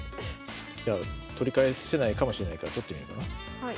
じゃあ取り返せないかもしれないから取ってみようかな。